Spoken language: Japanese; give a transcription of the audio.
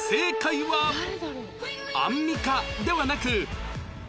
アンミカではなく